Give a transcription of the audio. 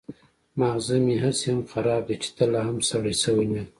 ماغزه مې هسې هم خراب دي چې ته لا هم سړی شوی نه يې.